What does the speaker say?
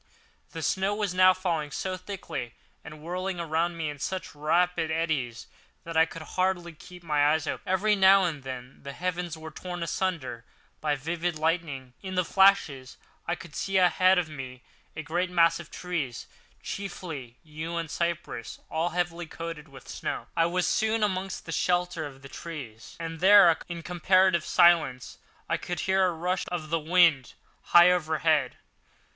The snow was now falling so thickly and whirling around me in such rapid eddies that I could hardly keep my eyes open. Every now and then the heavens were torn asunder by vivid lightning, and in the flashes I could see ahead of me a great mass of trees, chiefly yew and cypress all heavily coated with snow. I was soon amongst the shelter of the trees, and there, in comparative silence, I could hear the rush of the wind high overhead.